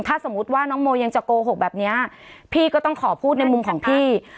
ถ้าสมมุติว่าน้องโมยังจะโกหกแบบเนี้ยพี่ก็ต้องขอพูดในมุมของพี่